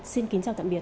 xin kính chào tạm biệt